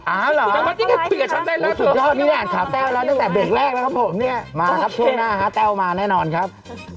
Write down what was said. อ๋อเหรอสุดยอดนี่แหละค่ะแต้วแล้วตั้งแต่เบรกแรกแล้วครับผมเนี่ยมาครับช่วงหน้าฮะแต้วมาแน่นอนครับ